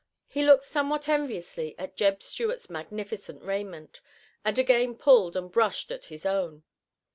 He looked somewhat enviously at Jeb Stuart's magnificent raiment, and again pulled and brushed at his own.